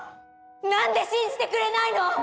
何で信じてくれないの！